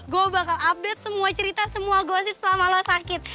gue bakal update semua cerita semua gosip selama lo sakit